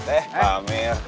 eh pak amir